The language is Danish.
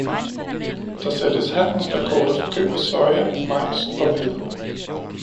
Der sættes handelsrekorder for køb af soja, majs og hvede.